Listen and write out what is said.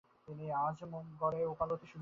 তিনি আজমগড়ে ওকালতি শুরু করেন।